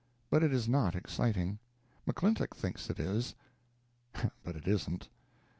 But it is not exciting. McClintock thinks it is; but it isn't.